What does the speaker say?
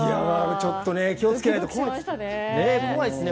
ちょっと気を付けないと怖いですね。